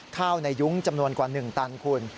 ข้าวในยุ้งจำนวนกว่า๑ตันคุณ